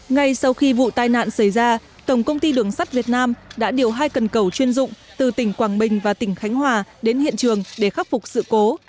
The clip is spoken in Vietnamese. ngay sau khi vụ tai nạn xảy ra tổng công ty đường sắt việt nam đã điều hai cần cầu chuyên dụng từ tỉnh quảng bình và tỉnh khánh hòa đến hiện trường để khắc phục sự cố